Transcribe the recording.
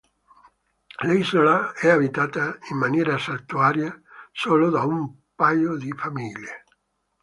L'isola è abitata in maniera saltuaria solo da un paio di famiglie.